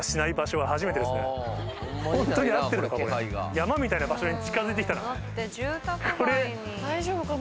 山みたいな場所に近づいて来たなこれ。